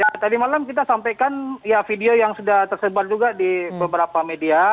ya tadi malam kita sampaikan ya video yang sudah tersebar juga di beberapa media